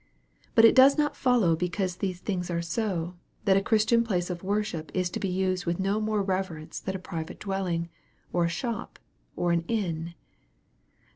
But it does not follow because these things are so, that a Christian place of worship is to be used with no more reverence than a private dwelling, or a shop, or an inn.